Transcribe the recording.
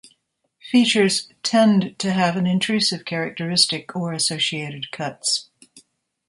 Features "tend" to have an intrusive characteristic or associated cuts.